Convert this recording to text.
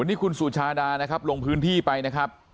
วันนี้คุณสุชาดานะครับลงพื้นที่ไปนะครับ